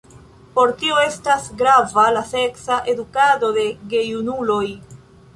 Por tio estas grava la seksa edukado de gejunuloj.